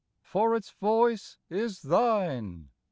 for its voice is thine